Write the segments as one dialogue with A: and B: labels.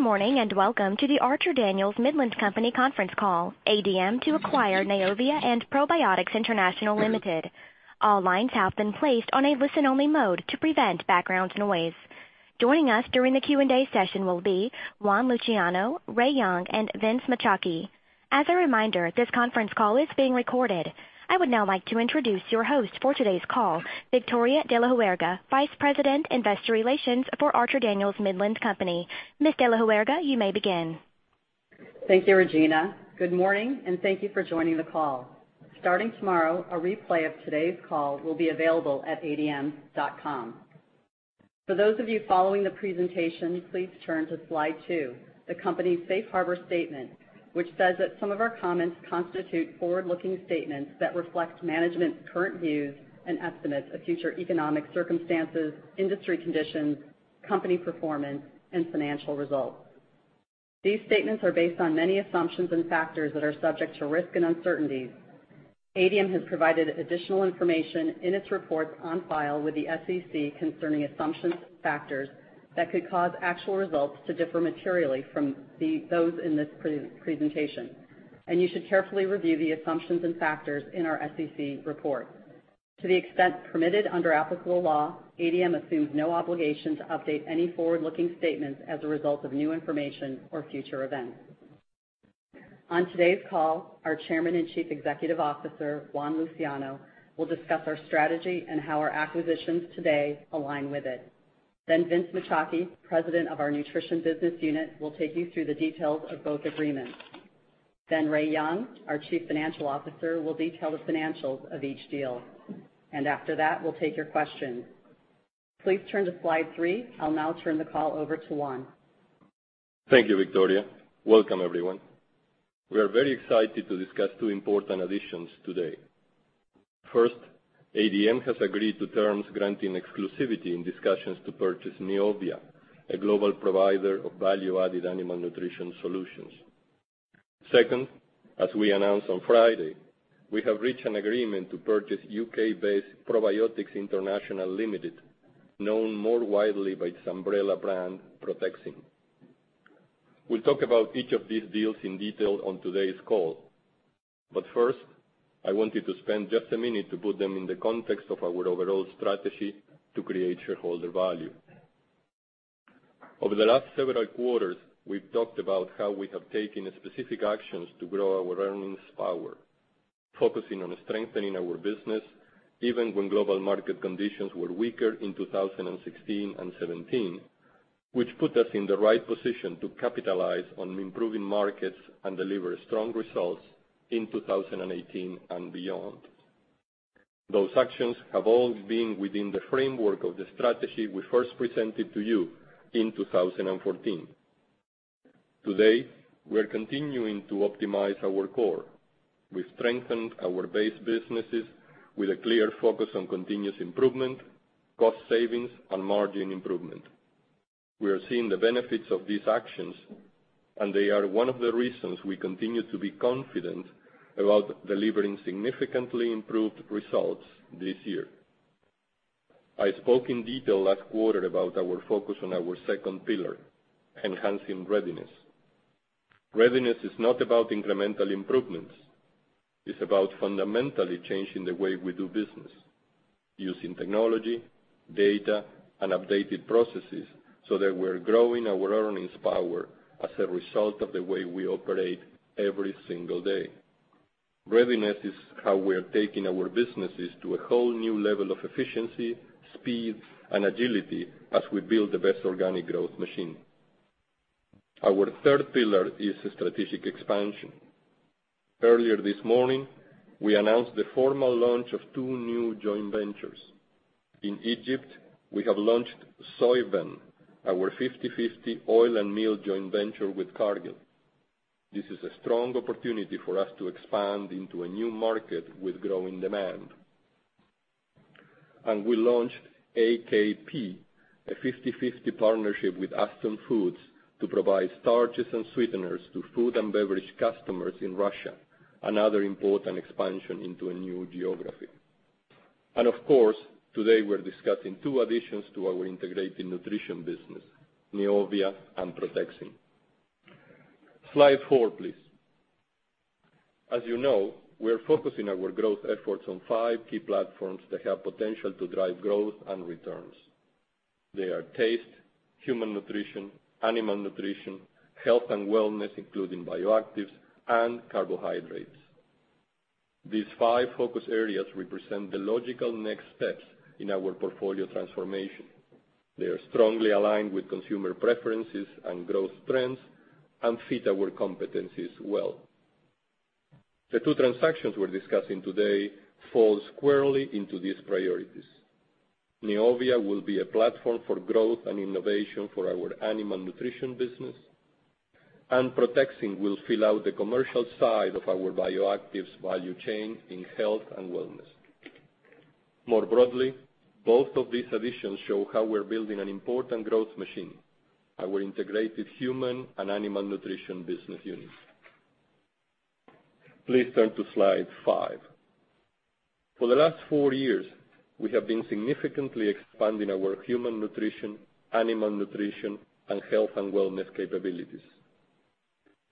A: Good morning, and welcome to the Archer Daniels Midland Company conference call, ADM to acquire Neovia and Probiotics International Limited. All lines have been placed on a listen-only mode to prevent background noise. Joining us during the Q&A session will be Juan Luciano, Ray Young, and Vince Macciocchi. As a reminder, this conference call is being recorded. I would now like to introduce your host for today's call, Victoria De La Huerga, Vice President, Investor Relations for Archer Daniels Midland Company. Ms. De La Huerga, you may begin.
B: Thank you, Regina. Good morning, and thank you for joining the call. Starting tomorrow, a replay of today's call will be available at adm.com. For those of you following the presentation, please turn to slide two, the company's safe harbor statement, which says that some of our comments constitute forward-looking statements that reflect management's current views and estimates of future economic circumstances, industry conditions, company performance, and financial results. These statements are based on many assumptions and factors that are subject to risk and uncertainties. ADM has provided additional information in its reports on file with the SEC concerning assumptions and factors that could cause actual results to differ materially from those in this presentation. You should carefully review the assumptions and factors in our SEC report. To the extent permitted under applicable law, ADM assumes no obligation to update any forward-looking statements as a result of new information or future events. On today's call, our Chairman and Chief Executive Officer, Juan Luciano, will discuss our strategy and how our acquisitions today align with it. Vince Macciocchi, President of our Nutrition Business Unit, will take you through the details of both agreements. Ray Young, our Chief Financial Officer, will detail the financials of each deal. After that, we'll take your questions. Please turn to slide three. I'll now turn the call over to Juan.
C: Thank you, Victoria. Welcome, everyone. We are very excited to discuss two important additions today. First, ADM has agreed to terms granting exclusivity in discussions to purchase Neovia, a global provider of value-added animal nutrition solutions. Second, as we announced on Friday, we have reached an agreement to purchase U.K.-based Probiotics International Limited, known more widely by its umbrella brand, Protexin. We'll talk about each of these deals in detail on today's call. First, I wanted to spend just a minute to put them in the context of our overall strategy to create shareholder value. Over the last several quarters, we've talked about how we have taken specific actions to grow our earnings power, focusing on strengthening our business even when global market conditions were weaker in 2016 and 2017, which put us in the right position to capitalize on improving markets and deliver strong results in 2018 and beyond. Those actions have always been within the framework of the strategy we first presented to you in 2014. Today, we're continuing to optimize our core. We've strengthened our base businesses with a clear focus on continuous improvement, cost savings, and margin improvement. We are seeing the benefits of these actions, and they are one of the reasons we continue to be confident about delivering significantly improved results this year. I spoke in detail last quarter about our focus on our second pillar, enhancing readiness. Readiness is not about incremental improvements. It's about fundamentally changing the way we do business using technology, data, and updated processes so that we're growing our earnings power as a result of the way we operate every single day. Readiness is how we are taking our businesses to a whole new level of efficiency, speed, and agility as we build the best organic growth machine. Our third pillar is strategic expansion. Earlier this morning, we announced the formal launch of two new joint ventures. In Egypt, we have launched SoyVen, our 50/50 oil and meal joint venture with Cargill. This is a strong opportunity for us to expand into a new market with growing demand. We launched AKP, a 50/50 partnership with Aston Foods to provide starches and sweeteners to food and beverage customers in Russia. Another important expansion into a new geography. Of course, today we're discussing two additions to our integrated nutrition business, Neovia and Protexin. Slide four, please. As you know, we're focusing our growth efforts on five key platforms that have potential to drive growth and returns. They are taste, human nutrition, animal nutrition, health and wellness, including bioactives, and carbohydrates. These five focus areas represent the logical next steps in our portfolio transformation. They are strongly aligned with consumer preferences and growth trends and fit our competencies well. The two transactions we're discussing today fall squarely into these priorities. Neovia will be a platform for growth and innovation for our animal nutrition business. Protexin will fill out the commercial side of our bioactives value chain in health and wellness. More broadly, both of these additions show how we're building an important growth machine, our integrated human and animal nutrition business unit. Please turn to Slide five. For the last four years, we have been significantly expanding our human nutrition, animal nutrition, and health and wellness capabilities.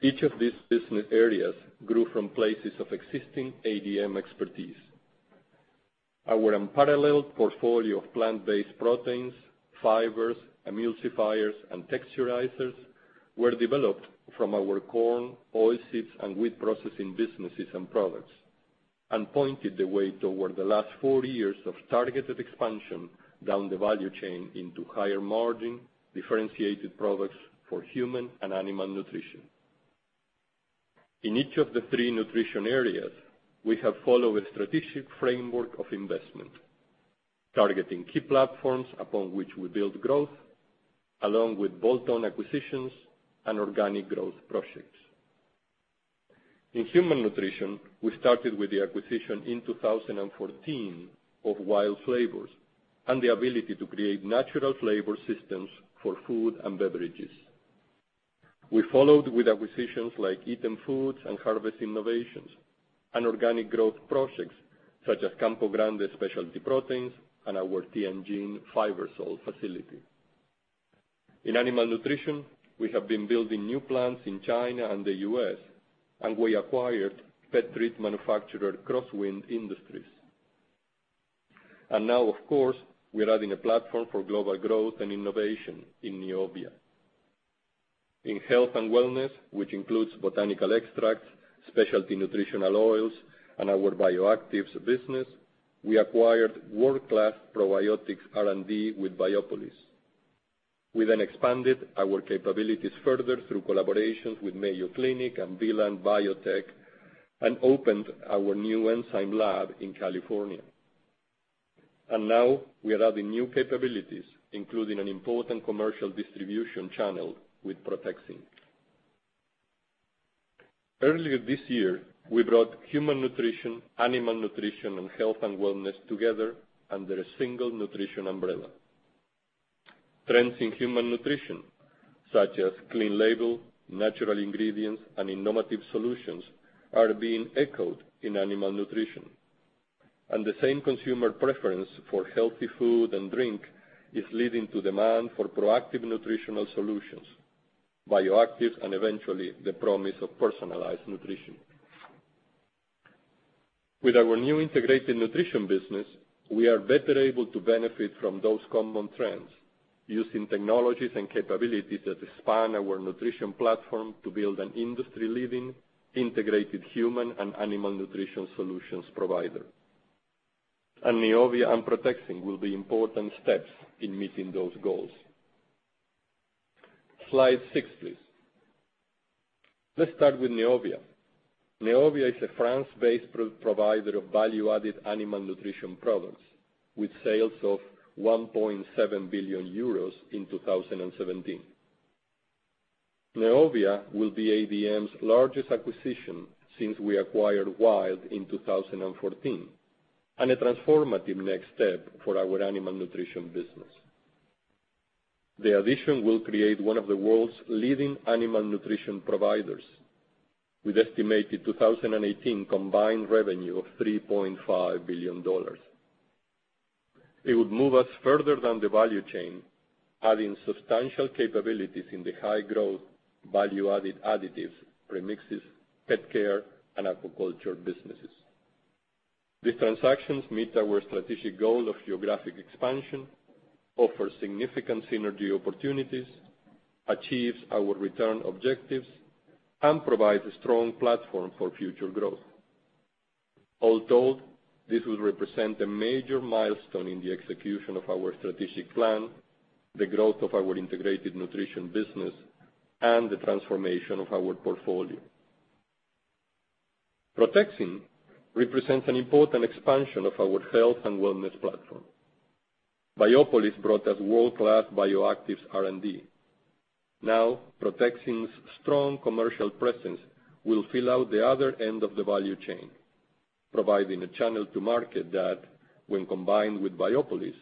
C: Each of these business areas grew from places of existing ADM expertise. Our unparalleled portfolio of plant-based proteins, fibers, emulsifiers, and texturizers were developed from our corn, oilseeds, and wheat processing businesses and products, and pointed the way toward the last four years of targeted expansion down the value chain into higher margin, differentiated products for human and animal nutrition. In each of the three nutrition areas, we have followed a strategic framework of investment. Targeting key platforms upon which we build growth, along with bolt-on acquisitions and organic growth projects. In human nutrition, we started with the acquisition in 2014 of Wild Flavors and the ability to create natural flavor systems for food and beverages. We followed with acquisitions like Eatem Foods and Harvest Innovations, and organic growth projects such as Campo Grande Specialty Proteins and our Tianjin Fibersol facility. In animal nutrition, we have been building new plants in China and the U.S., we acquired pet treat manufacturer Crosswind Industries. Now, of course, we are adding a platform for global growth and innovation in Neovia. In health and wellness, which includes botanical extracts, specialty nutritional oils, and our bioactives business, we acquired world-class probiotics R&D with Biopolis. We then expanded our capabilities further through collaborations with Mayo Clinic and Vland Biotech, opened our new enzyme lab in California. Now we are adding new capabilities, including an important commercial distribution channel with Protexin. Earlier this year, we brought human nutrition, animal nutrition, and health and wellness together under a single nutrition umbrella. Trends in human nutrition, such as clean label, natural ingredients, and innovative solutions, are being echoed in animal nutrition. The same consumer preference for healthy food and drink is leading to demand for proactive nutritional solutions, bioactives, and eventually, the promise of personalized nutrition. With our new integrated nutrition business, we are better able to benefit from those common trends using technologies and capabilities that span our nutrition platform to build an industry-leading integrated human and animal nutrition solutions provider. Neovia and Protexin will be important steps in meeting those goals. Slide six, please. Let's start with Neovia. Neovia is a France-based provider of value-added animal nutrition products, with sales of 1.7 billion euros in 2017. Neovia will be ADM's largest acquisition since we acquired Wild in 2014 and a transformative next step for our animal nutrition business. The addition will create one of the world's leading animal nutrition providers, with estimated 2018 combined revenue of $3.5 billion. It would move us further down the value chain, adding substantial capabilities in the high-growth, value-added additives, premixes, pet care, and aquaculture businesses. This transaction meets our strategic goal of geographic expansion, offers significant synergy opportunities, achieves our return objectives, and provides a strong platform for future growth. All told, this will represent a major milestone in the execution of our strategic plan, the growth of our integrated nutrition business, and the transformation of our portfolio. Protexin represents an important expansion of our health and wellness platform. Biopolis brought us world-class bioactives R&D. Now, Protexin's strong commercial presence will fill out the other end of the value chain, providing a channel to market that, when combined with Biopolis,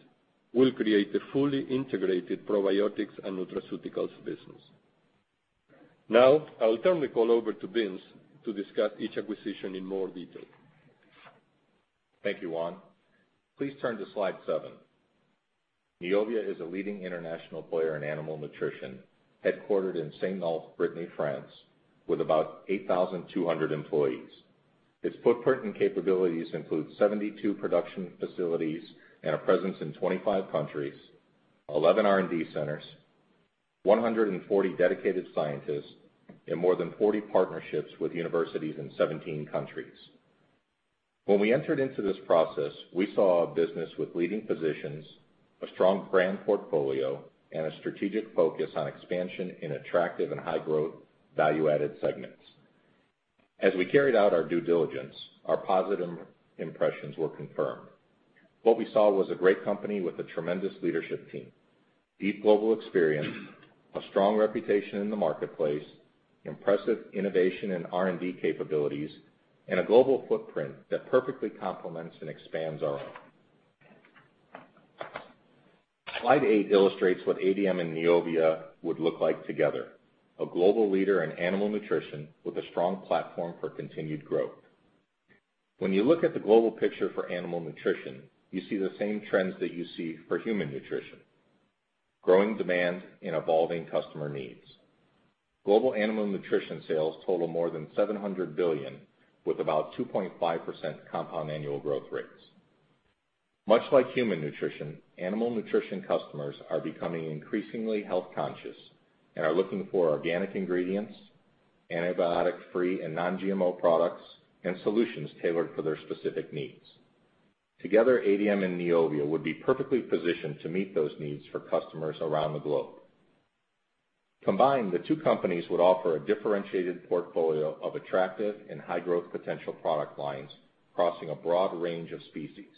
C: will create a fully integrated probiotics and nutraceuticals business. Now, I'll turn the call over to Vince to discuss each acquisition in more detail.
D: Thank you, Juan. Please turn to Slide seven. Neovia is a leading international player in animal nutrition, headquartered in Saint-Malo, Brittany, France, with about 8,200 employees. Its footprint and capabilities include 72 production facilities and a presence in 25 countries, 11 R&D centers, 140 dedicated scientists, and more than 40 partnerships with universities in 17 countries. When we entered into this process, we saw a business with leading positions, a strong brand portfolio, and a strategic focus on expansion in attractive and high-growth, value-added segments. As we carried out our due diligence, our positive impressions were confirmed. What we saw was a great company with a tremendous leadership team, deep global experience, a strong reputation in the marketplace, impressive innovation and R&D capabilities, and a global footprint that perfectly complements and expands our own. Slide eight illustrates what ADM and Neovia would look like together, a global leader in animal nutrition with a strong platform for continued growth. When you look at the global picture for animal nutrition, you see the same trends that you see for human nutrition, growing demand and evolving customer needs. Global animal nutrition sales total more than 700 billion, with about 2.5% compound annual growth rates. Much like human nutrition, animal nutrition customers are becoming increasingly health-conscious and are looking for organic ingredients, antibiotic-free and non-GMO products, and solutions tailored for their specific needs. Together, ADM and Neovia would be perfectly positioned to meet those needs for customers around the globe. Combined, the two companies would offer a differentiated portfolio of attractive and high growth potential product lines crossing a broad range of species,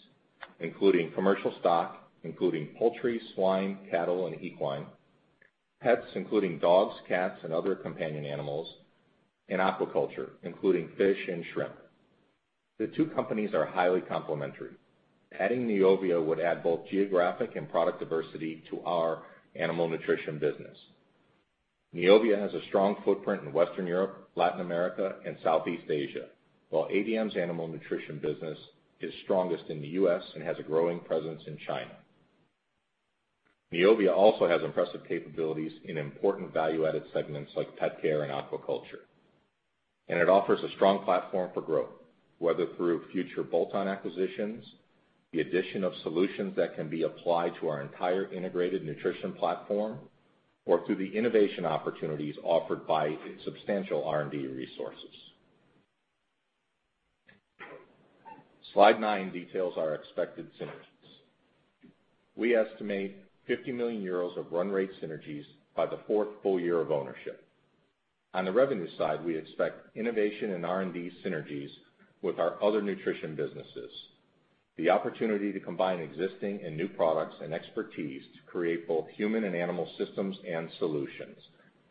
D: including commercial stock, including poultry, swine, cattle, and equine, pets, including dogs, cats, and other companion animals, and aquaculture, including fish and shrimp. The two companies are highly complementary. Adding Neovia would add both geographic and product diversity to our animal nutrition business. Neovia has a strong footprint in Western Europe, Latin America, and Southeast Asia, while ADM's animal nutrition business is strongest in the U.S. and has a growing presence in China. Neovia also has impressive capabilities in important value-added segments like pet care and aquaculture, and it offers a strong platform for growth, whether through future bolt-on acquisitions, the addition of solutions that can be applied to our entire integrated nutrition platform, or through the innovation opportunities offered by its substantial R&D resources. Slide nine details our expected synergies. We estimate 50 million euros of run rate synergies by the fourth full year of ownership. On the revenue side, we expect innovation and R&D synergies with our other nutrition businesses. The opportunity to combine existing and new products and expertise to create both human and animal systems and solutions,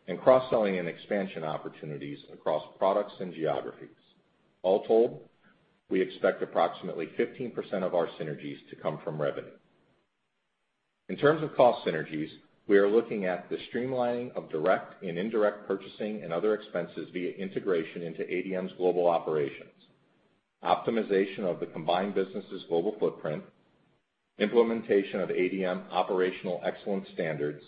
D: and cross-selling and expansion opportunities across products and geographies. All told, we expect approximately 15% of our synergies to come from revenue. In terms of cost synergies, we are looking at the streamlining of direct and indirect purchasing and other expenses via integration into ADM's global operations, optimization of the combined business' global footprint, implementation of ADM operational excellence standards,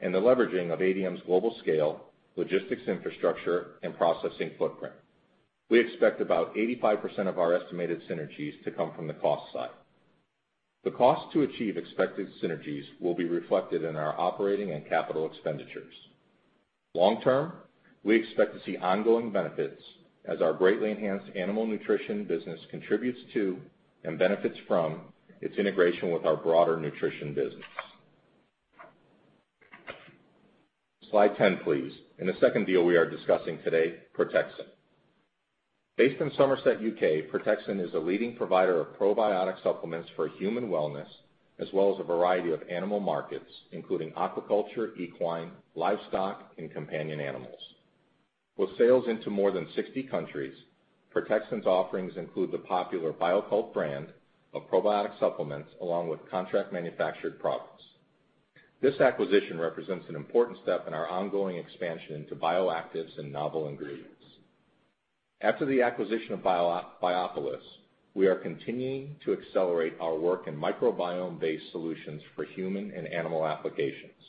D: and the leveraging of ADM's global scale, logistics infrastructure, and processing footprint. We expect about 85% of our estimated synergies to come from the cost side. The cost to achieve expected synergies will be reflected in our operating and capital expenditures. Long term, we expect to see ongoing benefits as our greatly enhanced animal nutrition business contributes to and benefits from its integration with our broader nutrition business. Slide 10, please. The second deal we are discussing today, Protexin. Based in Somerset, U.K., Protexin is a leading provider of probiotic supplements for human wellness, as well as a variety of animal markets, including aquaculture, equine, livestock, and companion animals. With sales into more than 60 countries, Protexin's offerings include the popular Bio-Kult brand of probiotic supplements, along with contract manufactured products. This acquisition represents an important step in our ongoing expansion to bioactives and novel ingredients. After the acquisition of Biopolis, we are continuing to accelerate our work in microbiome-based solutions for human and animal applications.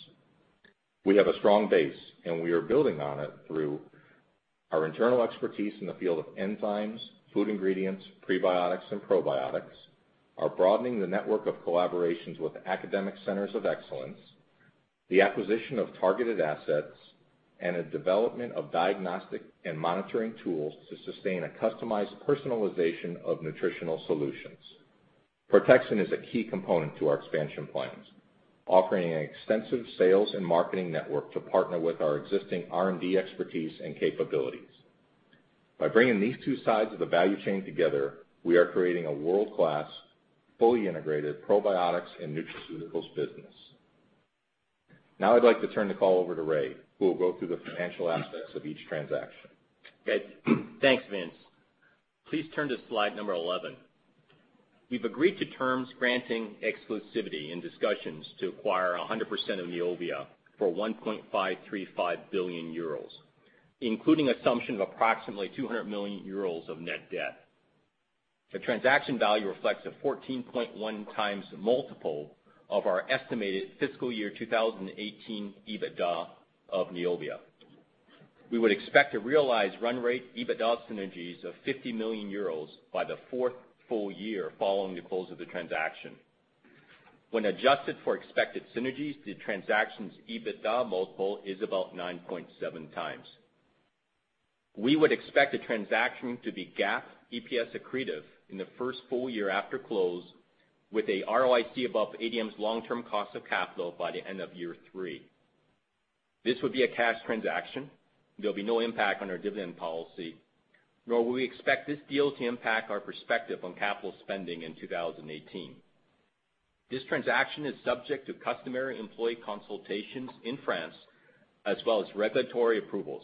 D: We have a strong base. We are building on it through our internal expertise in the field of enzymes, food ingredients, prebiotics and probiotics, are broadening the network of collaborations with academic centers of excellence, the acquisition of targeted assets, and a development of diagnostic and monitoring tools to sustain a customized personalization of nutritional solutions. Protexin is a key component to our expansion plans, offering an extensive sales and marketing network to partner with our existing R&D expertise and capabilities. By bringing these two sides of the value chain together, we are creating a world-class, fully integrated probiotics and nutraceuticals business. I'd like to turn the call over to Ray, who will go through the financial aspects of each transaction.
E: Thanks, Vince. Please turn to slide number 11. We've agreed to terms granting exclusivity in discussions to acquire 100% of Neovia for €1.535 billion, including assumption of approximately €200 million of net debt. The transaction value reflects a 14.1 times multiple of our estimated fiscal year 2018 EBITDA of Neovia. We would expect to realize run rate EBITDA synergies of €50 million by the fourth full year following the close of the transaction. When adjusted for expected synergies, the transaction's EBITDA multiple is about 9.7 times. We would expect the transaction to be GAAP EPS accretive in the first full year after close with a ROIC above ADM's long-term cost of capital by the end of year three. This would be a cash transaction. There'll be no impact on our dividend policy, nor will we expect this deal to impact our perspective on capital spending in 2018. This transaction is subject to customary employee consultations in France, as well as regulatory approvals.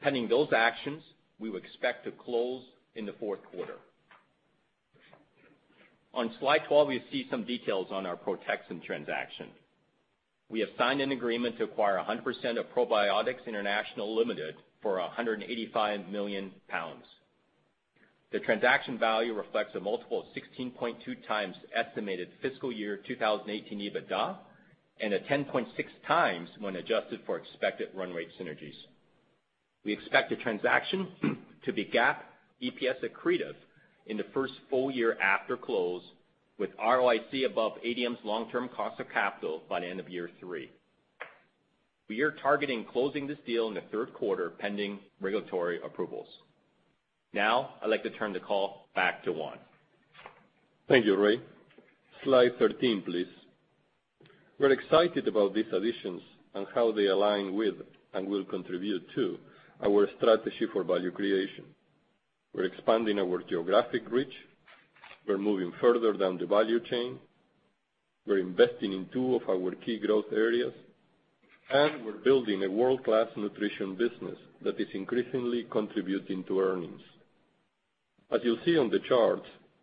E: Pending those actions, we would expect to close in the fourth quarter. On slide 12, we see some details on our Protexin transaction. We have signed an agreement to acquire 100% of Probiotics International Limited for £185 million. The transaction value reflects a multiple of 16.2 times estimated fiscal year 2018 EBITDA, and a 10.6 times when adjusted for expected run rate synergies. We expect the transaction to be GAAP EPS accretive in the first full year after close, with ROIC above ADM's long-term cost of capital by the end of year three. We are targeting closing this deal in the third quarter, pending regulatory approvals. I'd like to turn the call back to Juan.
C: Thank you, Ray. Slide 13, please. We're excited about these additions and how they align with and will contribute to our strategy for value creation. We're expanding our geographic reach, we're moving further down the value chain, we're investing in two of our key growth areas, and we're building a world-class nutrition business that is increasingly contributing to earnings. As you'll see on the chart,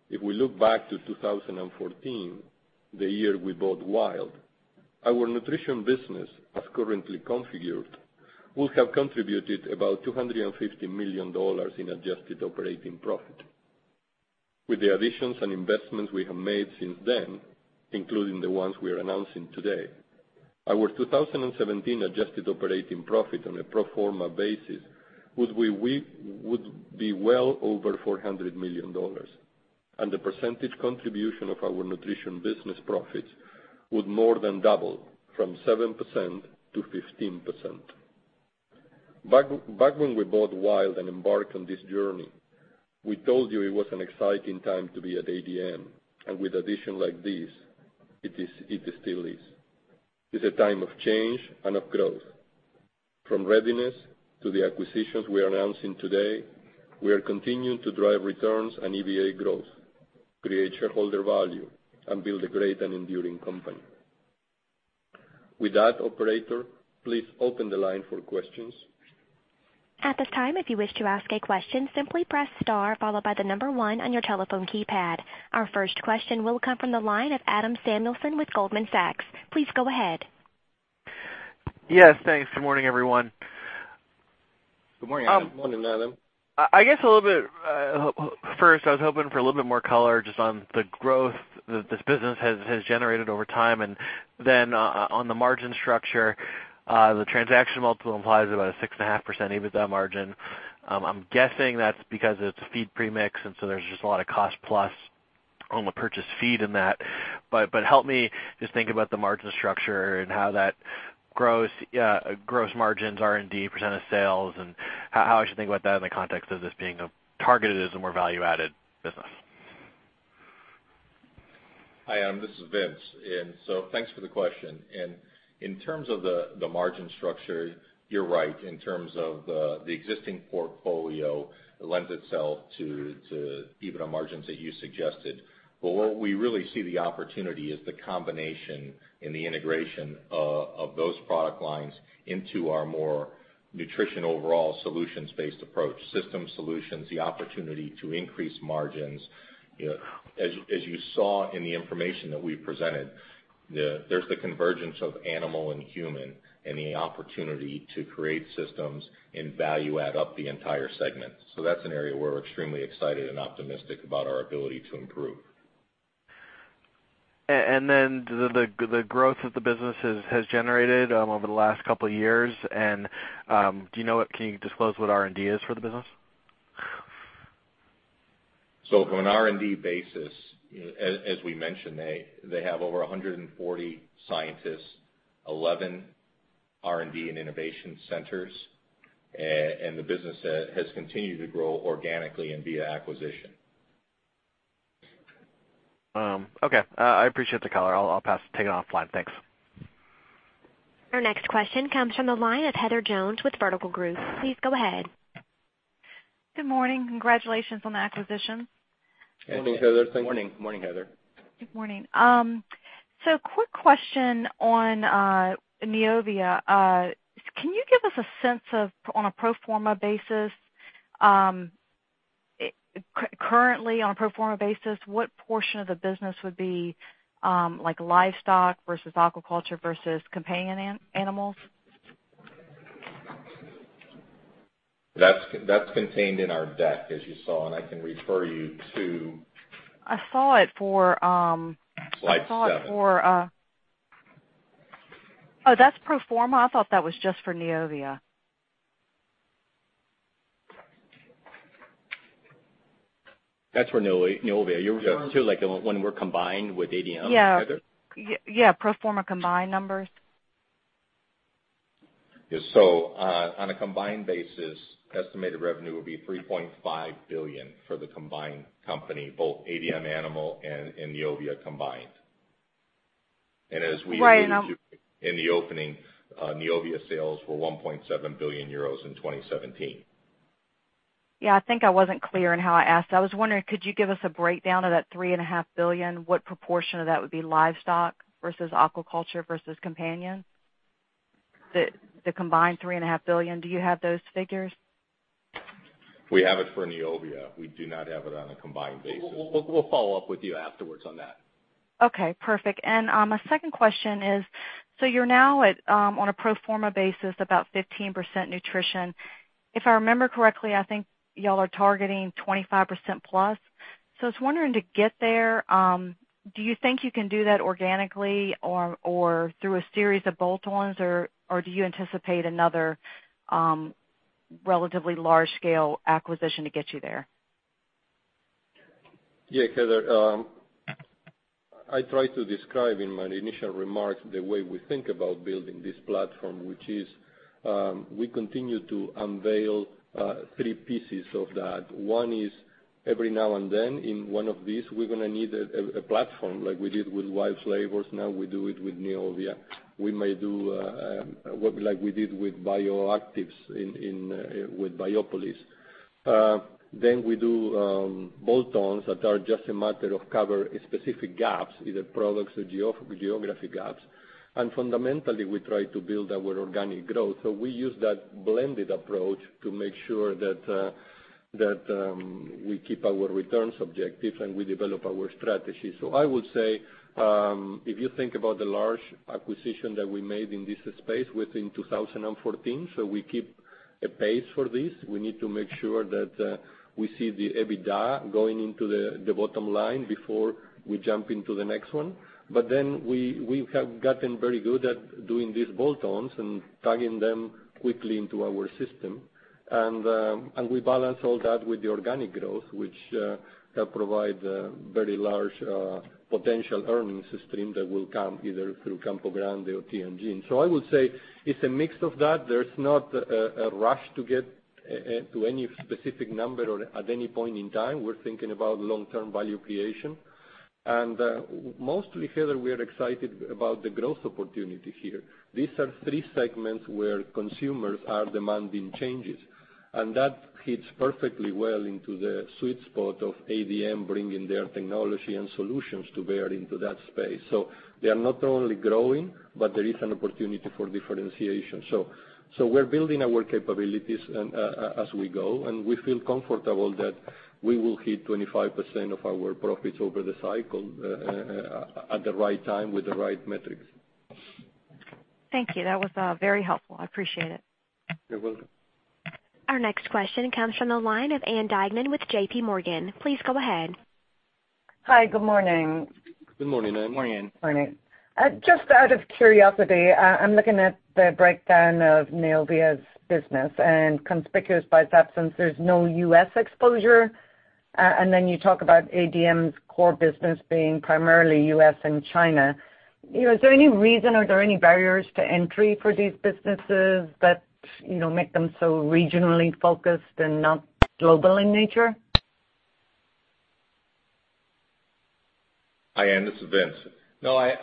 C: if we look back to 2014, the year we bought Wild Flavors, our nutrition business, as currently configured, would have contributed about $250 million in adjusted operating profit. With the additions and investments we have made since then, including the ones we are announcing today, our 2017 adjusted operating profit on a pro forma basis would be well over $400 million, and the percentage contribution of our nutrition business profits would more than double from 7% to 15%. Back when we bought Wild Flavors and embarked on this journey, we told you it was an exciting time to be at ADM. With additions like this, it still is. It's a time of change and of growth. From Readiness to the acquisitions we are announcing today, we are continuing to drive returns and EVA growth, create shareholder value, and build a great and enduring company. With that, operator, please open the line for questions.
A: At this time, if you wish to ask a question, simply press star followed by the number 1 on your telephone keypad. Our first question will come from the line of Adam Samuelson with Goldman Sachs. Please go ahead.
F: Yes, thanks. Good morning, everyone.
E: Good morning, Adam.
C: Good morning, Adam.
F: First, I was hoping for a little bit more color just on the growth that this business has generated over time. Then on the margin structure, the transaction multiple implies about a 6.5% EBITDA margin. I'm guessing that's because it's a feed premix, so there's just a lot of cost plus on the purchase feed in that. Help me just think about the margin structure and how that gross margins, R&D, % of sales, and how I should think about that in the context of this being targeted as a more value-added business.
D: Hi, Adam. This is Vince. Thanks for the question. In terms of the margin structure, you're right. In terms of the existing portfolio, it lends itself to EBITDA margins that you suggested. Where we really see the opportunity is the combination and the integration of those product lines into our more nutrition overall solutions-based approach. System solutions, the opportunity to increase margins. As you saw in the information that we presented, there's the convergence of animal and human, and the opportunity to create systems and value add up the entire segment. That's an area where we're extremely excited and optimistic about our ability to improve.
F: The growth that the business has generated over the last couple of years, and can you disclose what R&D is for the business?
D: From an R&D basis, as we mentioned, they have over 140 scientists, 11 R&D and innovation centers, and the business has continued to grow organically and via acquisition.
F: Okay. I appreciate the color. I'll take it offline. Thanks.
A: Our next question comes from the line of Heather Jones with Vertical Group. Please go ahead.
G: Good morning. Congratulations on the acquisition.
E: Morning, Heather. Thanks.
C: Morning, Heather.
G: Good morning. Quick question on Neovia. Can you give us a sense of, currently, on a pro forma basis, what portion of the business would be livestock versus aquaculture versus companion animals?
D: That's contained in our deck, as you saw, and I can refer you to-
G: I saw it for-
D: Slide seven.
G: Oh, that's pro forma? I thought that was just for Neovia.
D: That's for Neovia. You're referring to when we're combined with ADM, Heather?
G: Yeah. Pro forma combined numbers.
D: On a combined basis, estimated revenue will be $3.5 billion for the combined company, both ADM Animal and Neovia combined. As we alluded to. Right In the opening, Neovia sales were 1.7 billion euros in 2017.
G: Yeah, I think I wasn't clear in how I asked. I was wondering, could you give us a breakdown of that $3.5 billion? What proportion of that would be livestock versus aquaculture versus companion? The combined $3.5 billion. Do you have those figures?
D: We have it for Neovia. We do not have it on a combined basis.
E: We'll follow up with you afterwards on that.
G: Okay, perfect. My second question is: You're now on a pro forma basis, about 15% nutrition. If I remember correctly, I think y'all are targeting 25% plus. I was wondering to get there, do you think you can do that organically or through a series of bolt-ons, or do you anticipate another relatively large-scale acquisition to get you there?
C: Heather. I tried to describe in my initial remarks the way we think about building this platform, which is, we continue to unveil three pieces of that. One is every now and then, in one of these, we're going to need a platform like we did with Wild Flavors, now we do it with Neovia. We may do like we did with bioactives with Biopolis. Then we do bolt-ons that are just a matter of cover specific gaps, either products or geographic gaps. Fundamentally, we try to build our organic growth. We use that blended approach to make sure that we keep our returns objective and we develop our strategy. I would say, if you think about the large acquisition that we made in this space within 2014, we keep a pace for this. We need to make sure that we see the EBITDA going into the bottom line before we jump into the next one. We have gotten very good at doing these bolt-ons and plugging them quickly into our system. We balance all that with the organic growth, which help provide very large potential earnings stream that will come either through Campo Grande or Tianjin. I would say it's a mix of that. There's not a rush to get to any specific number or at any point in time. We're thinking about long-term value creation. Mostly, Heather, we are excited about the growth opportunity here. These are three segments where consumers are demanding changes, and that hits perfectly well into the sweet spot of ADM bringing their technology and solutions to bear into that space. They are not only growing, but there is an opportunity for differentiation. We're building our capabilities as we go, and we feel comfortable that we will hit 25% of our profits over the cycle at the right time with the right metrics.
G: Thank you. That was very helpful. I appreciate it.
C: You're welcome.
A: Our next question comes from the line of Ann Duignan with JPMorgan. Please go ahead.
H: Hi. Good morning.
E: Good morning.
C: Morning.
H: Morning. Just out of curiosity, I'm looking at the breakdown of Neovia's business, and conspicuous by its absence, there's no U.S. exposure. You talk about ADM's core business being primarily U.S. and China. Is there any reason, are there any barriers to entry for these businesses that make them so regionally focused and not global in nature?
D: Hi, Ann, this is Vince. No, I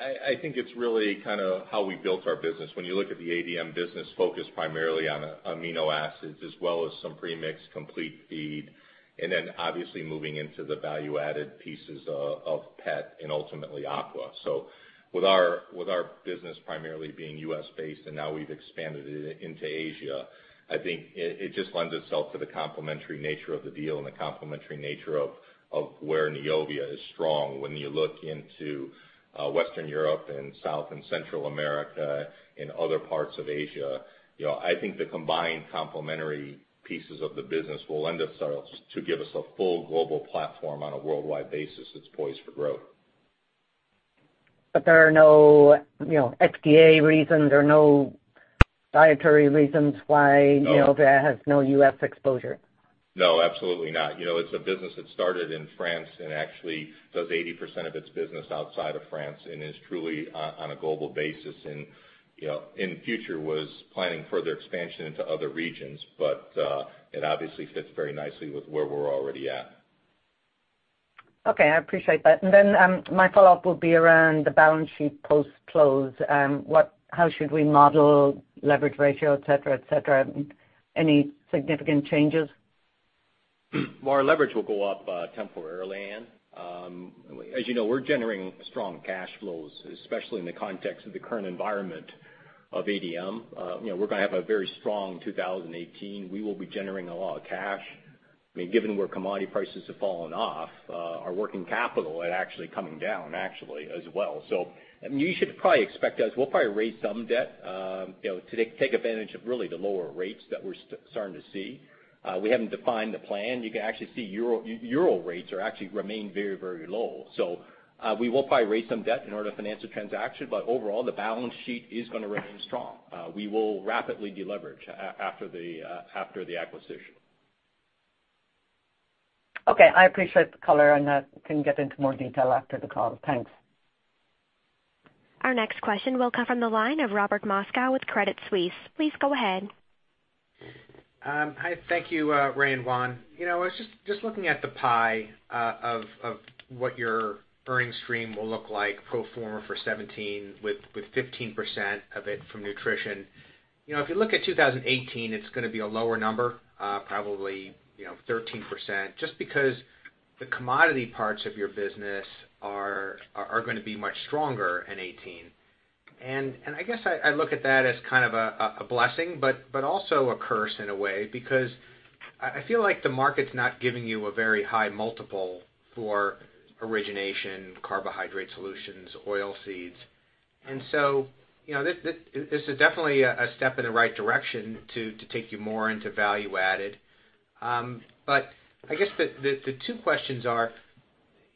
D: think it's really how we built our business. When you look at the ADM business focused primarily on amino acids, as well as some premix complete feed, and then obviously moving into the value-added pieces of pet and ultimately aqua. With our business primarily being U.S.-based, and now we've expanded it into Asia, I think it just lends itself to the complementary nature of the deal and the complementary nature of where Neovia is strong. When you look into Western Europe and South and Central America and other parts of Asia, I think the combined complementary pieces of the business will lend itself to give us a full global platform on a worldwide basis that's poised for growth.
H: There are no FDA reasons or no dietary reasons why Neovia has no U.S. exposure?
D: No, absolutely not. It's a business that started in France and actually does 80% of its business outside of France and is truly on a global basis. In future, was planning further expansion into other regions, but it obviously fits very nicely with where we're already at.
H: Okay, I appreciate that. My follow-up will be around the balance sheet post-close. How should we model leverage ratio, et cetera? Any significant changes?
E: Well, our leverage will go up temporarily, Ann. As you know, we're generating strong cash flows, especially in the context of the current environment of ADM. We're going to have a very strong 2018. We will be generating a lot of cash. Given where commodity prices have fallen off, our working capital had actually coming down actually as well. You should probably expect us, we'll probably raise some debt to take advantage of really the lower rates that we're starting to see. We haven't defined the plan. You can actually see Euro rates are actually remain very low. We will probably raise some debt in order to finance the transaction. Overall, the balance sheet is going to remain strong. We will rapidly deleverage after the acquisition.
H: Okay. I appreciate the color and can get into more detail after the call. Thanks.
A: Our next question will come from the line of Robert Moskow with Credit Suisse. Please go ahead.
I: Hi. Thank you, Ray and Juan. I was just looking at the pie of what your earnings stream will look like pro forma for 2017 with 15% of it from nutrition If you look at 2018, it's going to be a lower number, probably 13%, just because the commodity parts of your business are going to be much stronger in 2018. I guess I look at that as kind of a blessing, but also a curse in a way, because I feel like the market's not giving you a very high multiple for Origination, Carbohydrate Solutions, Oilseeds. This is definitely a step in the right direction to take you more into value added. I guess the two questions are,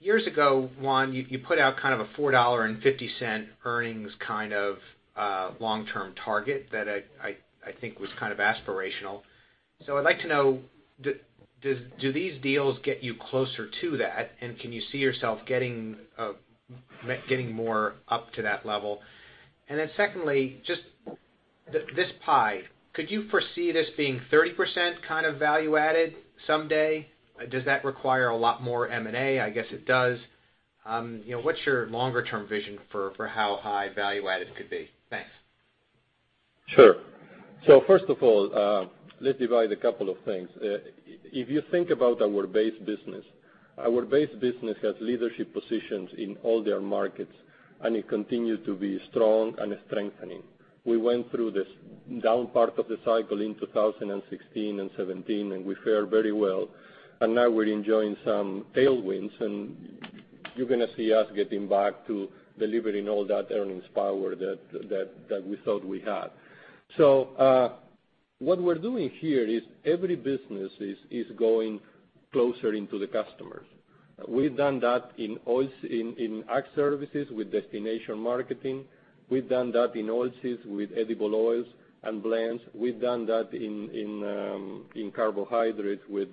I: years ago, Juan, you put out kind of a $4.50 earnings kind of long-term target that I think was kind of aspirational. I'd like to know, do these deals get you closer to that, and can you see yourself getting more up to that level? Secondly, just this pie, could you foresee this being 30% kind of value added someday? Does that require a lot more M&A? I guess it does. What's your longer-term vision for how high value added could be? Thanks.
C: Sure. First of all, let's divide a couple of things. If you think about our base business, our base business has leadership positions in all their markets, and it continues to be strong and strengthening. We went through this down part of the cycle in 2016 and 2017, and we fared very well, and now we're enjoying some tailwinds, and you're going to see us getting back to delivering all that earnings power that we thought we had. What we're doing here is every business is going closer into the customers. We've done that in Ag Services with destination marketing. We've done that in Oilseeds with edible oils and blends. We've done that in Carbohydrates with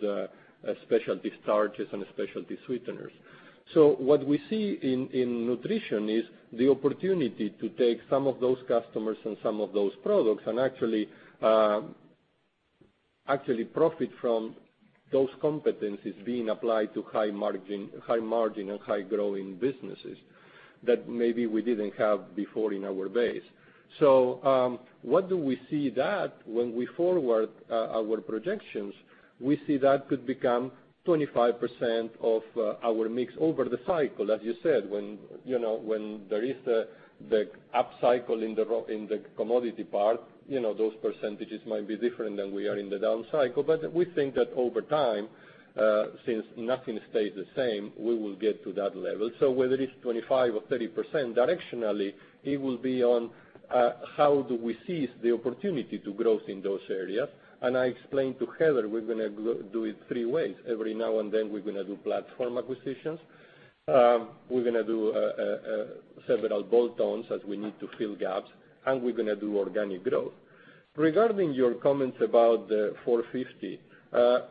C: specialty starches and specialty sweeteners. What we see in nutrition is the opportunity to take some of those customers and some of those products and actually profit from those competencies being applied to high-margin and high-growing businesses that maybe we didn't have before in our base. What do we see that when we forward our projections? We see that could become 25% of our mix over the cycle, as you said. When there is the upcycle in the commodity part, those percentages might be different than we are in the down cycle. We think that over time, since nothing stays the same, we will get to that level. Whether it's 25% or 30%, directionally, it will be on how do we seize the opportunity to growth in those areas. I explained to Heather, we're going to do it three ways. Every now and then we're going to do platform acquisitions. We're going to do several bolt-ons as we need to fill gaps, and we're going to do organic growth. Regarding your comments about the 4.50,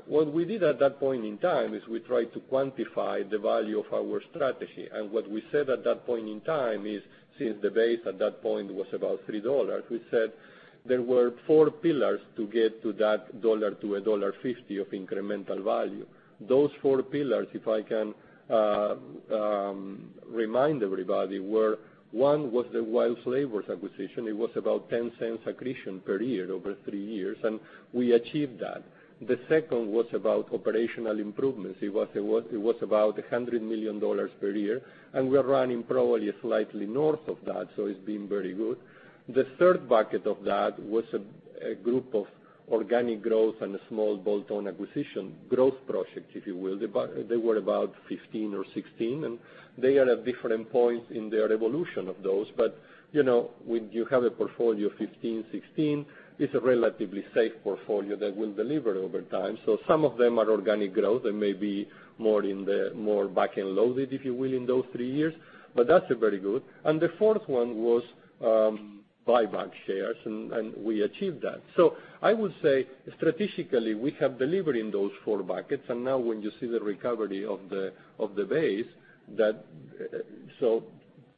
C: what we did at that point in time is we tried to quantify the value of our strategy. What we said at that point in time is, since the base at that point was about $3, we said there were four pillars to get to that $1 to $1.50 of incremental value. Those four pillars, if I can remind everybody, were, one, was the Wild Flavors acquisition. It was about $0.10 accretion per year over three years, and we achieved that. The second was about operational improvements. It was about $100 million per year, and we're running probably slightly north of that, so it's been very good. The third bucket of that was a group of organic growth and a small bolt-on acquisition growth project, if you will. They were about 15 or 16, and they are at different points in their evolution of those. When you have a portfolio of 15, 16, it's a relatively safe portfolio that will deliver over time. Some of them are organic growth and may be more back-end loaded, if you will, in those three years. That's very good. The fourth one was buy back shares, and we achieved that. I would say strategically, we have delivered in those four buckets, and now when you see the recovery of the base,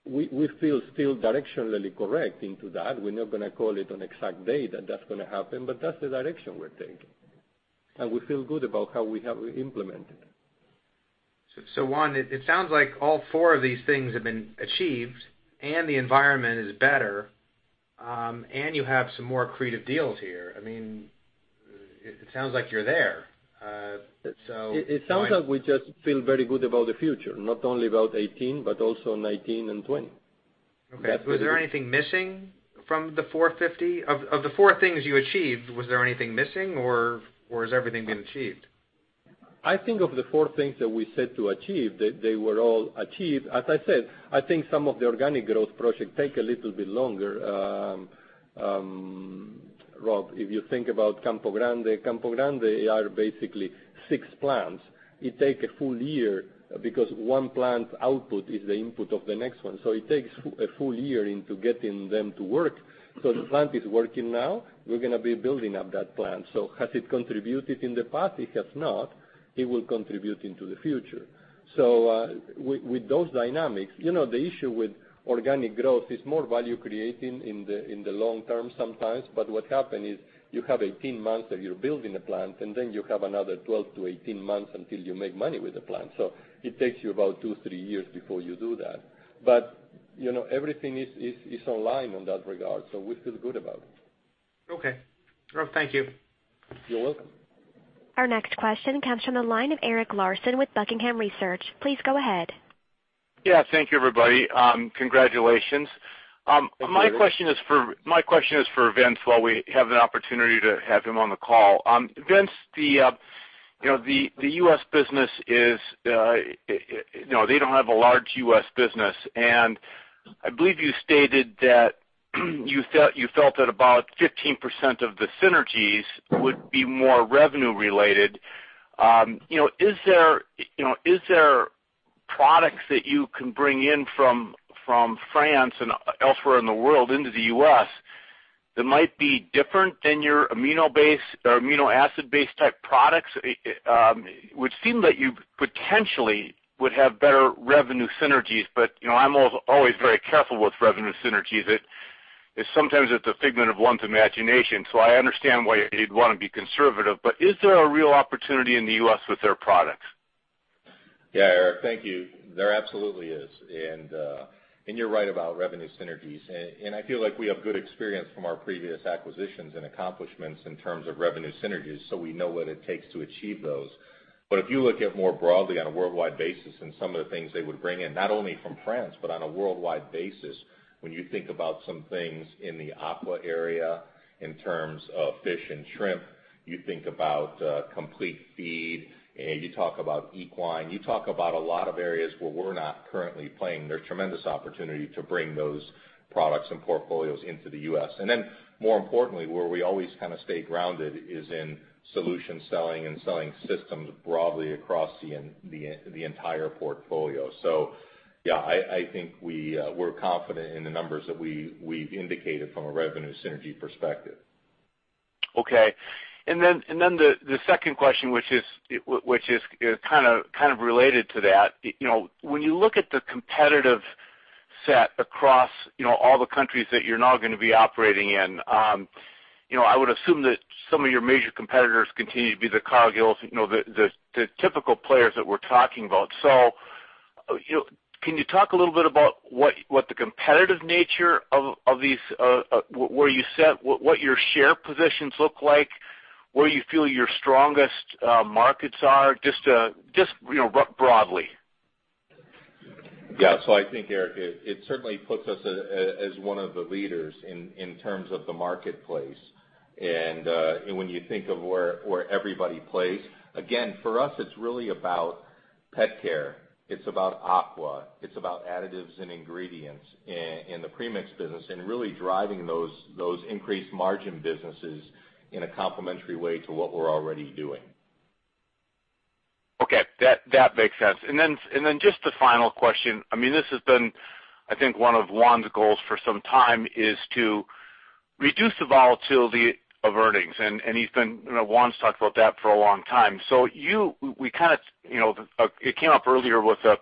C: we feel still directionally correct into that. We're not going to call it an exact date that that's going to happen, but that's the direction we're taking. We feel good about how we have implemented it.
I: Juan, it sounds like all four of these things have been achieved, and the environment is better, and you have some more accretive deals here. It sounds like you're there. Juan.
C: It sounds like we just feel very good about the future, not only about 2018, but also 2019 and 2020.
I: Okay. Is there anything missing from the 4.50? Of the four things you achieved, was there anything missing, or has everything been achieved?
C: I think of the four things that we said to achieve, they were all achieved. As I said, I think some of the organic growth projects take a little bit longer, Rob. If you think about Campo Grande, Campo Grande are basically six plants. It takes a full year because one plant's output is the input of the next one. It takes a full year into getting them to work. The plant is working now, we're going to be building up that plant. Has it contributed in the past? It has not. It will contribute into the future. With those dynamics, the issue with organic growth is more value creating in the long term sometimes. But what happened is you have 18 months that you're building a plant, and then you have another 12 to 18 months until you make money with the plant. It takes you about two, three years before you do that. Everything is online in that regard, we feel good about it.
I: Okay. Juan, thank you.
C: You're welcome.
A: Our next question comes from the line of Eric Larson with Buckingham Research. Please go ahead.
J: Yeah. Thank you, everybody. Congratulations.
C: Thank you, Eric.
J: My question is for Vince while we have the opportunity to have him on the call. Vince, they don't have a large U.S. business. I believe you stated that you felt that about 15% of the synergies would be more revenue related. Is there products that you can bring in from France and elsewhere in the world into the U.S. that might be different than your amino acid-based type products? It would seem that you potentially would have better revenue synergies. I'm always very careful with revenue synergies. Sometimes it's a figment of one's imagination. I understand why you'd want to be conservative. Is there a real opportunity in the U.S. with their products?
D: Yeah, Eric, thank you. There absolutely is. You're right about revenue synergies. I feel like we have good experience from our previous acquisitions and accomplishments in terms of revenue synergies. We know what it takes to achieve those. If you look at more broadly on a worldwide basis and some of the things they would bring in, not only from France, but on a worldwide basis, when you think about some things in the aqua area in terms of fish and shrimp, you think about complete feed. You talk about equine. You talk about a lot of areas where we're not currently playing. There's tremendous opportunity to bring those products and portfolios into the U.S. More importantly, where we always stay grounded is in solution selling and selling systems broadly across the entire portfolio. Yeah, I think we're confident in the numbers that we've indicated from a revenue synergy perspective.
J: Okay. The second question, which is kind of related to that. When you look at the competitive set across all the countries that you're now going to be operating in, I would assume that some of your major competitors continue to be the Cargills, the typical players that we're talking about. Can you talk a little bit about what the competitive nature of these, where you set, what your share positions look like, where you feel your strongest markets are? Just broadly.
D: Yeah. I think, Eric, it certainly puts us as one of the leaders in terms of the marketplace. And when you think of where everybody plays, again, for us, it's really about pet care, it's about aqua, it's about additives and ingredients in the premix business, and really driving those increased margin businesses in a complementary way to what we're already doing.
J: Okay. That makes sense. The final question. This has been one of Juan's goals for some time, is to reduce the volatility of earnings. Juan's talked about that for a long time. It came up earlier with the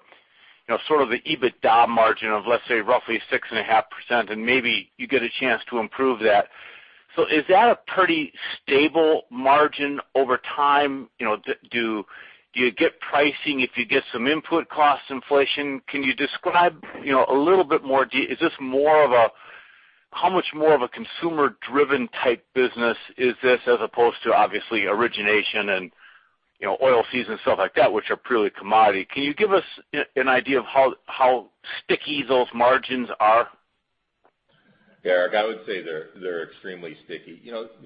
J: EBITDA margin of, let's say, roughly 6.5%, and maybe you get a chance to improve that. Is that a pretty stable margin over time? Do you get pricing if you get some input cost inflation? Can you describe a little bit more? Is this more of a, how much more of a consumer driven type business is this as opposed to obviously origination and oil seeds and stuff like that which are purely commodity? Can you give us an idea of how sticky those margins are?
D: Yeah, Eric, I would say they're extremely sticky.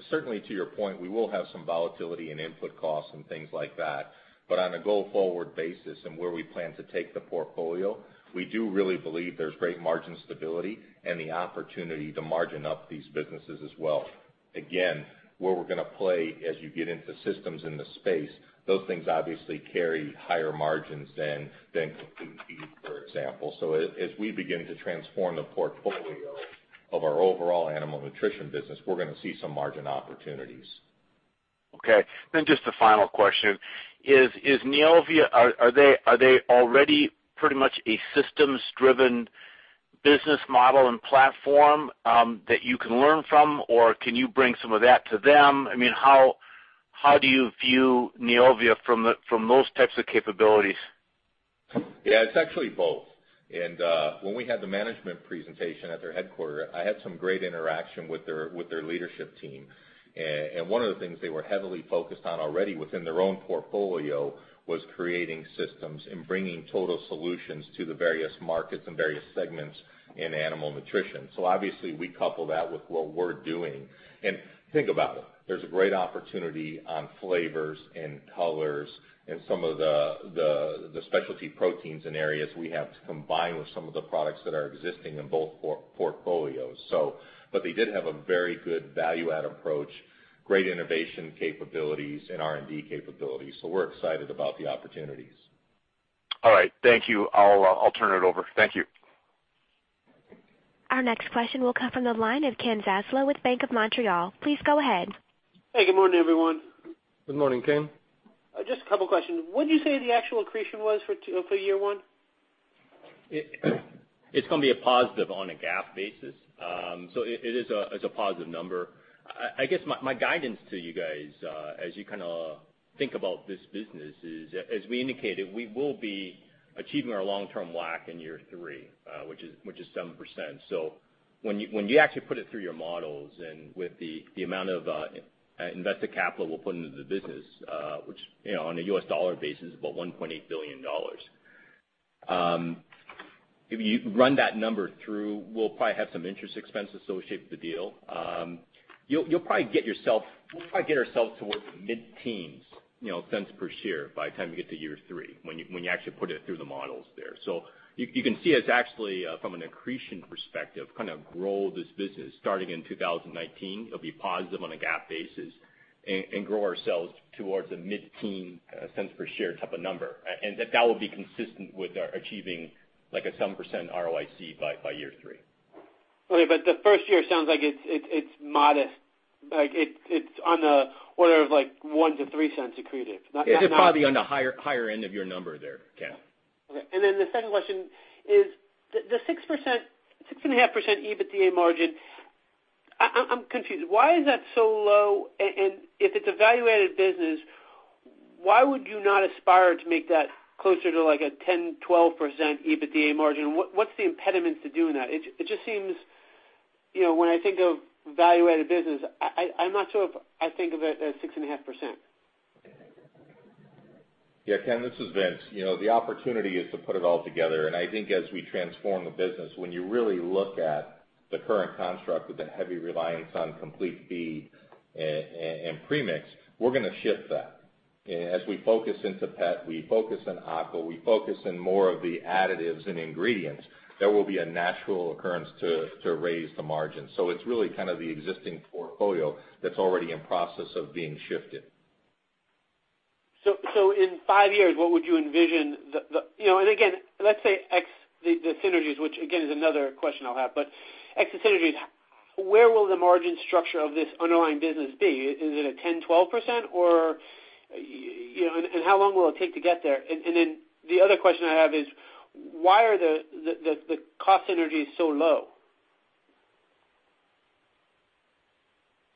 D: Certainly to your point, we will have some volatility in input costs and things like that. On a go-forward basis and where we plan to take the portfolio, we do really believe there's great margin stability and the opportunity to margin up these businesses as well. Again, where we're going to play as you get into systems in the space, those things obviously carry higher margins than complete feed, for example. As we begin to transform the portfolio of our overall animal nutrition business, we're going to see some margin opportunities.
J: Okay. Just the final question. Is Neovia, are they already pretty much a systems-driven business model and platform that you can learn from? Can you bring some of that to them? How do you view Neovia from those types of capabilities?
D: Yeah, it's actually both. When we had the management presentation at their headquarter, I had some great interaction with their leadership team. One of the things they were heavily focused on already within their own portfolio was creating systems and bringing total solutions to the various markets and various segments in animal nutrition. Obviously we couple that with what we're doing. Think about it, there's a great opportunity on flavors and colors and some of the specialty proteins in areas we have to combine with some of the products that are existing in both portfolios. They did have a very good value add approach, great innovation capabilities and R&D capabilities. We're excited about the opportunities.
J: All right. Thank you. I'll turn it over. Thank you.
A: Our next question will come from the line of Kenneth Zaslow with Bank of Montreal. Please go ahead.
K: Hey, good morning, everyone.
D: Good morning, Ken.
K: Just a couple questions. What'd you say the actual accretion was for year one?
D: It's going to be a positive on a GAAP basis. It's a positive number. I guess my guidance to you guys.
E: Think about this business is, as we indicated, we will be achieving our long-term WACC in year three, which is 7%. When you actually put it through your models and with the amount of invested capital we'll put into the business, which on a U.S. dollar basis is about $1.8 billion. If you run that number through, we'll probably have some interest expense associated with the deal. We'll probably get ourselves towards mid-teens cents per share by the time we get to year three, when you actually put it through the models there. You can see us actually, from an accretion perspective, grow this business. Starting in 2019, it'll be positive on a GAAP basis and grow ourselves towards a mid-teen cents per share type of number. And that will be consistent with our achieving like a 7% ROIC by year three.
K: Okay, the first year sounds like it's modest. Like it's on the order of like $0.01-$0.03 accretive.
E: It's probably on the higher end of your number there, Ken.
K: Okay. The second question is, the 6.5% EBITDA margin, I'm confused. Why is that so low? If it's a value-added business, why would you not aspire to make that closer to like a 10%-12% EBITDA margin? What's the impediment to doing that? It just seems, when I think of value-added business, I'm not sure if I think of it as 6.5%.
D: Yeah, Ken, this is Vince. The opportunity is to put it all together, and I think as we transform the business, when you really look at the current construct with the heavy reliance on complete feed and premix, we're going to shift that. As we focus into pet, we focus on aqua, we focus on more of the additives and ingredients, there will be a natural occurrence to raise the margin. It's really the existing portfolio that's already in process of being shifted.
K: In five years, what would you envision, and again, let's say ex the synergies, which again is another question I'll have, where will the margin structure of this underlying business be? Is it a 10%-12% or, how long will it take to get there? The other question I have is why are the cost synergies so low?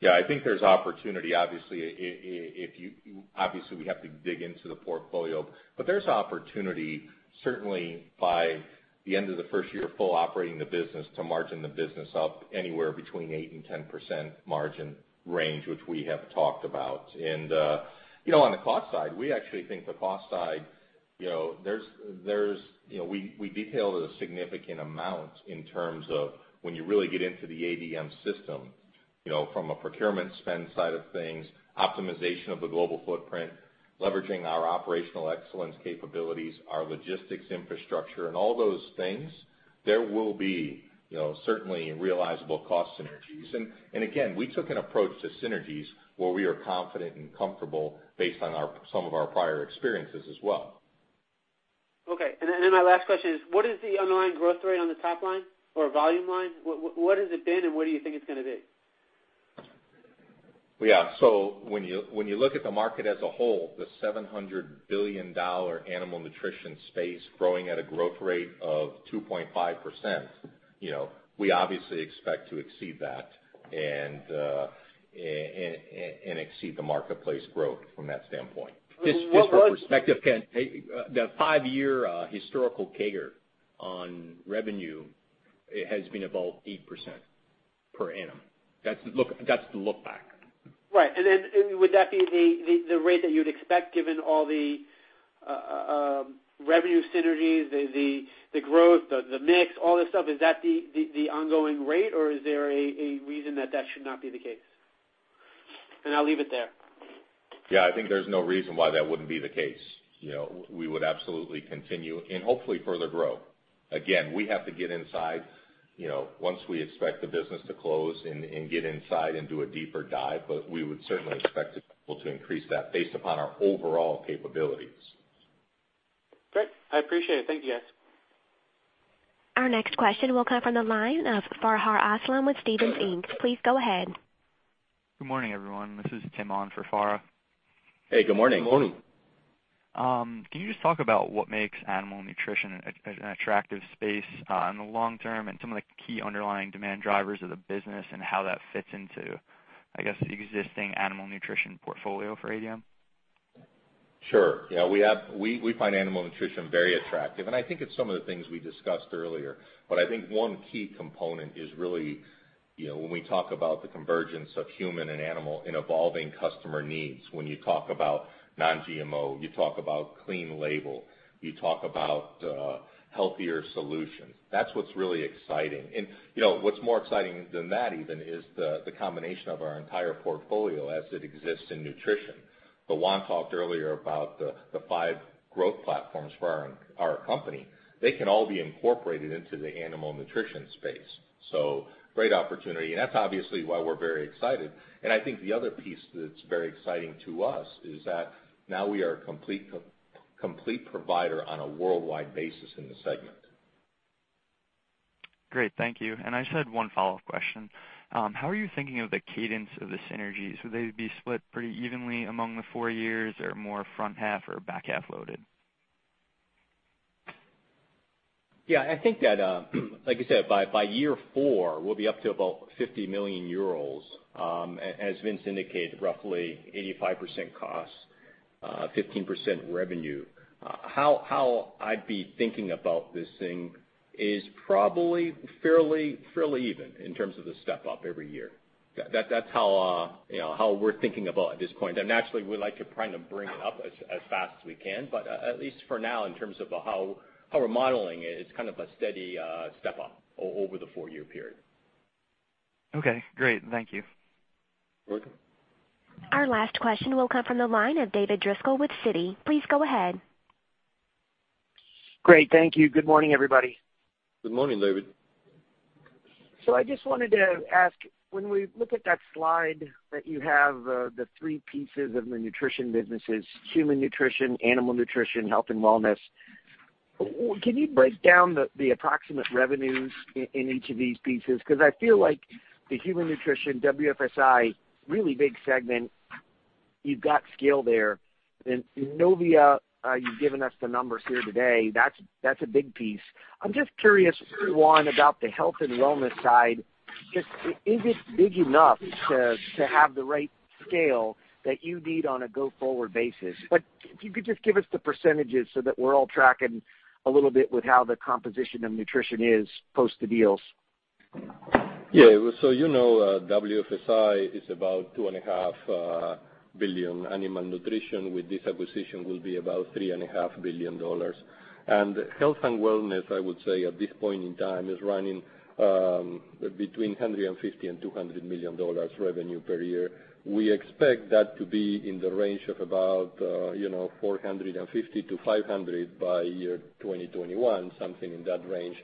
D: Yeah, I think there's opportunity, obviously, we have to dig into the portfolio. There's opportunity, certainly by the end of the first year of full operating the business to margin the business up anywhere between 8%-10% margin range, which we have talked about. On the cost side, we actually think the cost side, we detailed a significant amount in terms of when you really get into the ADM system, from a procurement spend side of things, optimization of the global footprint, leveraging our operational excellence capabilities, our logistics infrastructure, and all those things, there will be certainly realizable cost synergies. Again, we took an approach to synergies where we are confident and comfortable based on some of our prior experiences as well.
K: Okay. My last question is, what is the underlying growth rate on the top line or volume line? What has it been, and what do you think it's going to be?
D: Yeah. When you look at the market as a whole, the $700 billion animal nutrition space growing at a growth rate of 2.5%, we obviously expect to exceed that and exceed the marketplace growth from that standpoint.
E: Just for perspective, Ken, the five-year historical CAGR on revenue has been about 8% per annum. That's the look-back.
K: Right. Would that be the rate that you'd expect given all the revenue synergies, the growth, the mix, all that stuff, is that the ongoing rate, or is there a reason that that should not be the case? I'll leave it there.
D: Yeah, I think there's no reason why that wouldn't be the case. We would absolutely continue and hopefully further grow. Again, we have to get inside, once we expect the business to close and get inside and do a deeper dive, but we would certainly expect to be able to increase that based upon our overall capabilities.
K: Great. I appreciate it. Thank you, guys.
A: Our next question will come from the line of Farha Aslam with Stephens Inc. Please go ahead.
L: Good morning, everyone. This is Tim on for Farha.
E: Hey, good morning.
D: Good morning.
L: Can you just talk about what makes animal nutrition an attractive space in the long term and some of the key underlying demand drivers of the business and how that fits into, I guess, the existing animal nutrition portfolio for ADM?
D: Sure. We find animal nutrition very attractive, and I think it's some of the things we discussed earlier. I think one key component is really when we talk about the convergence of human and animal and evolving customer needs, when you talk about non-GMO, you talk about clean label, you talk about healthier solutions. That's what's really exciting. What's more exciting than that even is the combination of our entire portfolio as it exists in nutrition. Juan talked earlier about the five growth platforms for our company. They can all be incorporated into the animal nutrition space. Great opportunity, and that's obviously why we're very excited. I think the other piece that's very exciting to us is that now we are a complete provider on a worldwide basis in the segment.
L: Thank you. I just had one follow-up question. How are you thinking of the cadence of the synergies? Would they be split pretty evenly among the four years or more front half or back half loaded?
E: I think that, like I said, by year four, we'll be up to about 50 million euros. As Vince indicated, roughly 85% cost, 15% revenue. I'd be thinking about this thing is probably fairly even in terms of the step-up every year. That's how we're thinking about at this point. Naturally, we like to bring it up as fast as we can. At least for now, in terms of how we're modeling it's a steady step-up over the four-year period.
L: Great. Thank you.
C: Welcome.
A: Our last question will come from the line of David Driscoll with Citi. Please go ahead.
M: Great. Thank you. Good morning, everybody.
C: Good morning, David.
M: I just wanted to ask, when we look at that slide that you have the three pieces of the nutrition businesses, human nutrition, animal nutrition, health and wellness, can you break down the approximate revenues in each of these pieces? I feel like the human nutrition, WFSI, really big segment. You've got scale there. In Neovia, you've given us the numbers here today. That's a big piece. I'm just curious, Juan, about the health and wellness side. Just, is it big enough to have the right scale that you need on a go-forward basis? If you could just give us the percentages so that we're all tracking a little bit with how the composition of nutrition is post the deals.
C: Yeah. You know WFSI is about $2.5 billion. Animal nutrition with this acquisition will be about $3.5 billion. Health and wellness, I would say at this point in time, is running between $150 and $200 million revenue per year. We expect that to be in the range of about 450 to 500 by year 2021, something in that range.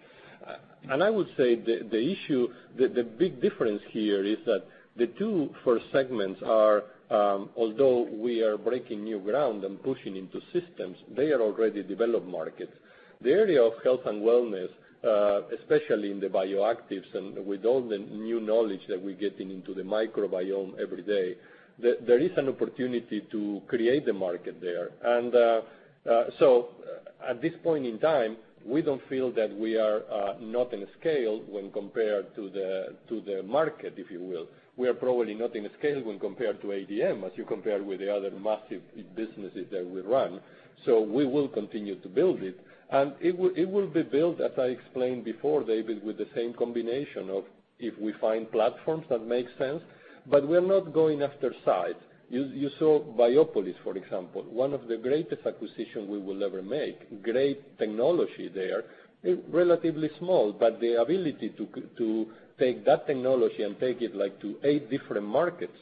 C: I would say the issue, the big difference here is that the two first segments are, although we are breaking new ground and pushing into systems, they are already developed markets. The area of health and wellness, especially in the bioactives and with all the new knowledge that we're getting into the microbiome every day, there is an opportunity to create the market there. At this point in time, we don't feel that we are not in scale when compared to the market, if you will. We are probably not in scale when compared to ADM, as you compare with the other massive businesses that we run. We will continue to build it, and it will be built, as I explained before, David, with the same combination of if we find platforms that make sense, but we're not going after size. You saw Biopolis, for example, one of the greatest acquisition we will ever make. Great technology there, relatively small, but the ability to take that technology and take it to eight different markets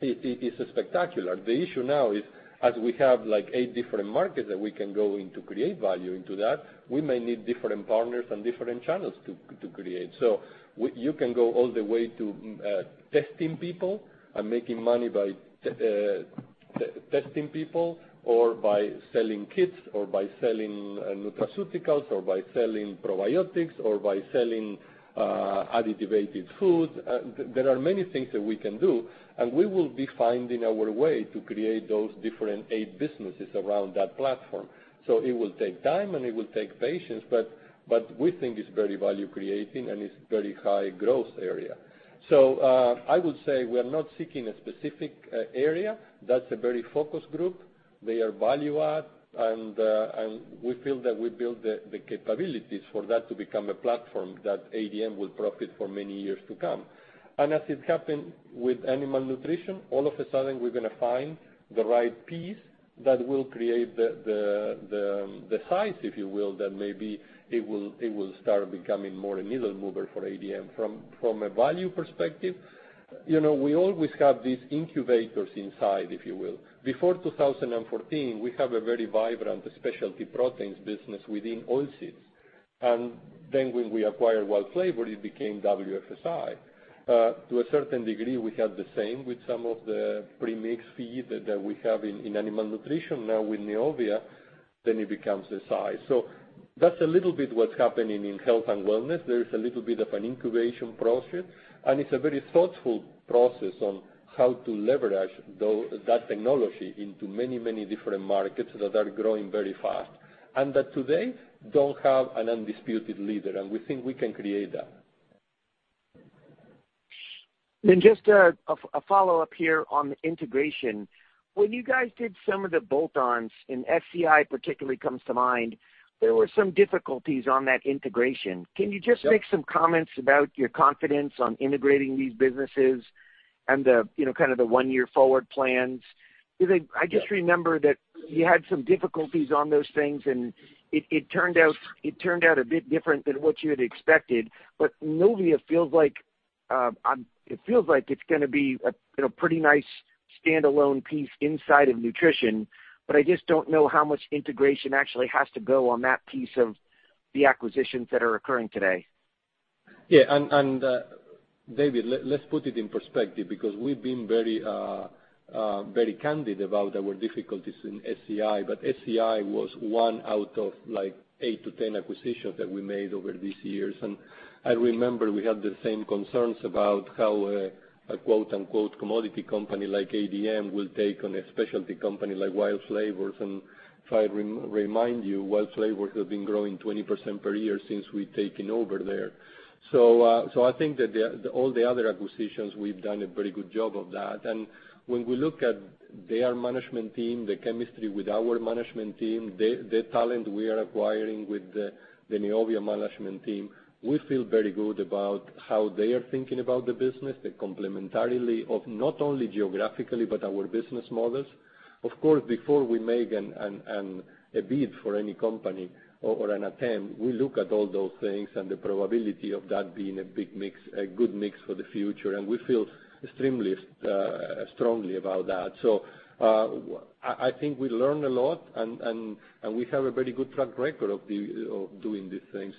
C: is spectacular. The issue now is as we have eight different markets that we can go into create value into that, we may need different partners and different channels to create. You can go all the way to testing people and making money by testing people or by selling kits or by selling nutraceuticals or by selling probiotics or by selling additivated foods. There are many things that we can do, and we will be finding our way to create those different eight businesses around that platform. It will take time, and it will take patience, but we think it's very value creating, and it's very high growth area. I would say we're not seeking a specific area. That's a very focused group. They are value add, and we feel that we build the capabilities for that to become a platform that ADM will profit for many years to come. As it happened with animal nutrition, all of a sudden, we're going to find the right piece that will create the size, if you will, that maybe it will start becoming more a needle mover for ADM. From a value perspective, we always have these incubators inside, if you will. Before 2014, we have a very vibrant specialty proteins business within oilseeds. Then when we acquired Wild Flavors, it became WFSI. To a certain degree, we have the same with some of the premix feed that we have in animal nutrition now with Neovia, then it becomes a size. That's a little bit what's happening in health and wellness. There is a little bit of an incubation process, and it's a very thoughtful process on how to leverage that technology into many different markets that are growing very fast, and that today don't have an undisputed leader, and we think we can create that.
M: Just a follow-up here on the integration. When you guys did some of the bolt-ons, and FCI particularly comes to mind, there were some difficulties on that integration. Can you just make some comments about your confidence on integrating these businesses and the one-year forward plans? Because I just remember that you had some difficulties on those things, and it turned out a bit different than what you had expected. Neovia, it feels like it's going to be a pretty nice standalone piece inside of nutrition, but I just don't know how much integration actually has to go on that piece of the acquisitions that are occurring today.
C: Yeah. David, let's put it in perspective because we've been very candid about our difficulties in FCI. FCI was one out of 8 to 10 acquisitions that we made over these years. I remember we had the same concerns about how a quote, unquote, "commodity company" like ADM will take on a specialty company like Wild Flavors. If I remind you, Wild Flavors have been growing 20% per year since we've taken over there. I think that all the other acquisitions, we've done a very good job of that. When we look at their management team, the chemistry with our management team, the talent we are acquiring with the Neovia management team, we feel very good about how they are thinking about the business. The complementarity of not only geographically, but our business models. Of course, before we make a bid for any company or an attempt, we look at all those things and the probability of that being a good mix for the future. We feel extremely strongly about that. I think we learned a lot. We have a very good track record of doing this thing.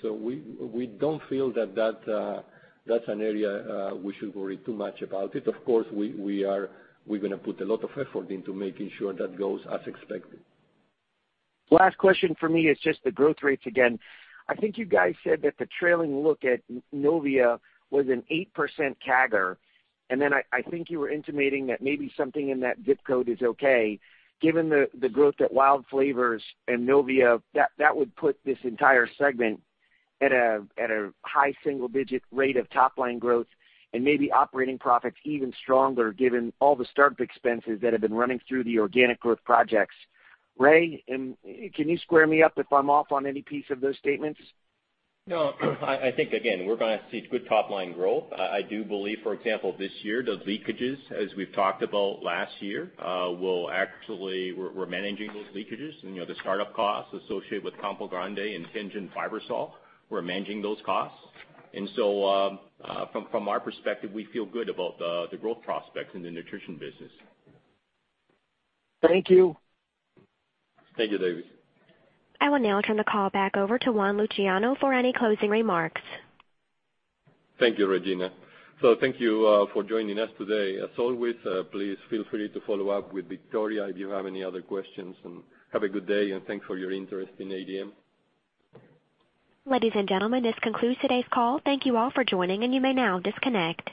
C: We don't feel that that's an area we should worry too much about it. Of course, we're going to put a lot of effort into making sure that goes as expected.
M: Last question for me is just the growth rates again. I think you guys said that the trailing look at Neovia was an 8% CAGR. Then I think you were intimating that maybe something in that ZIP code is okay, given the growth at Wild Flavors and Neovia, that would put this entire segment at a high single-digit rate of top-line growth and maybe operating profits even stronger given all the startup expenses that have been running through the organic growth projects. Ray, can you square me up if I'm off on any piece of those statements?
E: No, I think again, we're going to see good top-line growth. I do believe, for example, this year, those leakages, as we've talked about last year, we're managing those leakages and the startup costs associated with Campo Grande and Tianjin Fibersol, we're managing those costs. From our perspective, we feel good about the growth prospects in the nutrition business.
M: Thank you.
E: Thank you, David.
A: I will now turn the call back over to Juan Luciano for any closing remarks.
C: Thank you, Regina. Thank you for joining us today. As always, please feel free to follow up with Victoria if you have any other questions, and have a good day, and thanks for your interest in ADM.
A: Ladies and gentlemen, this concludes today's call. Thank you all for joining, and you may now disconnect.